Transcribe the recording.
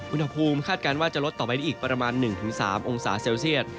คาดการณ์ว่าจะลดต่อไปได้อีกประมาณ๑๓องศาเซลเซียต